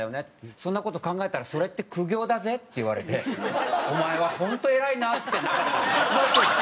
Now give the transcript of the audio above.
「そんな事考えたらそれって苦行だぜ」って言われて「お前は本当偉いな」っつって泣いて。